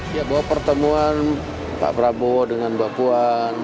dia bawa pertemuan pak prabowo dengan bapak puan